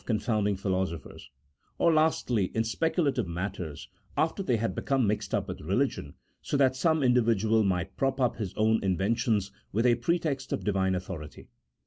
confounding philosophers ; or, lastly, in speculative matters after they had become mixed up with religion, so that some individual might prop up his own inventions with a pre text of Divine authority.